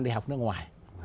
đi học nước ngoài